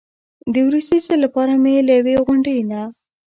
د وروستي ځل لپاره مې له یوې غونډۍ نه.